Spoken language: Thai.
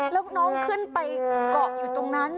แล้วน้องขึ้นไปเกาะอยู่ตรงนั้น